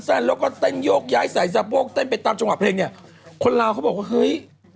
แล้วก็เต้นโยกย้ายใส่สะโพกเต้นไปตามจังหวะเพลงเนี่ยคนลาวเขาบอกว่าเฮ้ย